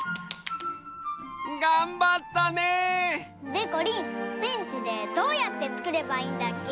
がんばったね！でこりんペンチでどうやってつくればいいんだっけ？